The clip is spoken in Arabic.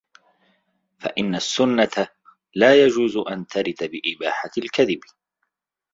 فَإِنَّ السُّنَّةَ لَا يَجُوزُ أَنْ تَرِدَ بِإِبَاحَةِ الْكَذِبِ